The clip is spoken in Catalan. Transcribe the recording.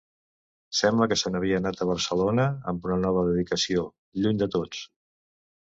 Sembla que se n'havia anat a Barcelona, amb una nova dedicació, lluny de tots.